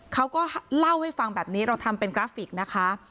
เขาก็เล่าให้ฟังแบบนี้เราทำเป็นกราฟิกนะคะ